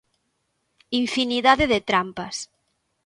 Infinidade de trampas.